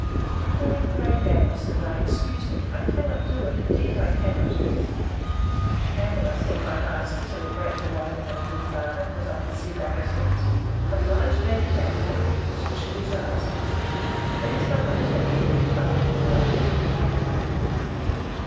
Pray, pray, madam, said I, excuse me; I cannot do it, indeed I cannot. Pamela, said my master, to the great delight of my good father, as I could see by his looks, oblige Lady Darnford, since she desires it. It is but a little before your time, you know.